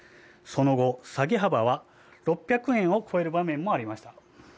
その後下げ幅は６００円を超える場面もありました。